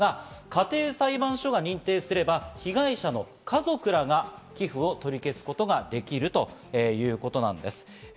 家庭裁判所が認定すれば、被害者の家族らが寄付を取り消すことができるということなんです。